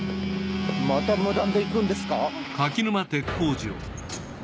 また無断で行くんですか？